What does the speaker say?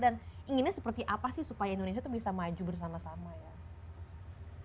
dan inginnya seperti apa sih supaya indonesia tuh bisa maju bersama sama ya